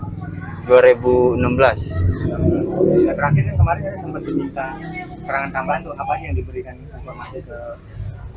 terakhirnya kemarin saya sempat meminta kerangan tambahan untuk apa yang diberikan informasi ke